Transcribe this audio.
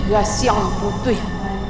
gak siang gak putih